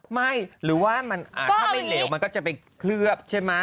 หรือว่าถ้าไม่เหลวมันก็จะไปเคลือบใช่ไหม